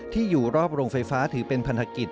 อยู่รอบโรงไฟฟ้าถือเป็นพันธกิจ